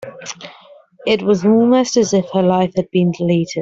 It was almost as if her life had been deleted.